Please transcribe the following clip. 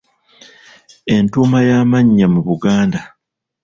Entuuma y’amannya mu Buganda.